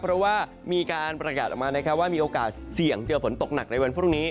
เพราะว่ามีการประกาศออกมานะครับว่ามีโอกาสเสี่ยงเจอฝนตกหนักในวันพรุ่งนี้